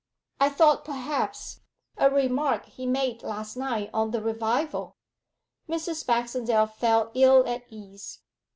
'I thought perhaps a remark he made last night on the revival.' Mrs. Baxendale felt ill at ease.